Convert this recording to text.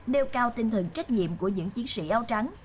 nêu cao tinh thần trách nhiệm của những chiến sĩ áo trắng